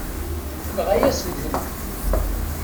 Tenɣa-yasen-tent.